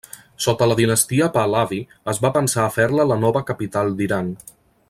Sota la dinastia Pahlavi es va pensar a fer-la la nova capital d'Iran.